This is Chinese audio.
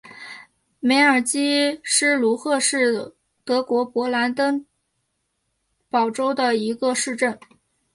梅尔基施卢赫是德国勃兰登堡州的一个市镇。